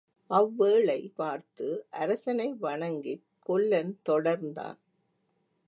அவ்வேளை பார்த்து அரசனை வணங்கிக் கொல்லன் தொடர்ந்தான்.